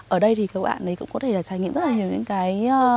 ở đây thì các bạn có thể trải nghiệm rất nhiều những cái